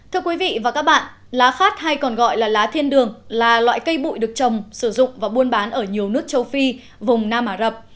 thưa quý vị và các bạn lá khát hay còn gọi là lá thiên đường là loại cây bụi được trồng sử dụng và buôn bán ở nhiều nước châu phi vùng nam ả rập